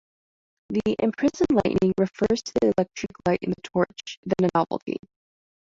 The "imprisoned lightning" refers to the electric light in the torch, then a novelty.